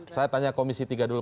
saya tanya komisi hukum